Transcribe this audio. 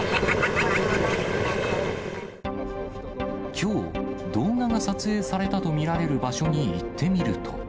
きょう、動画が撮影されたと見られる場所に行ってみると。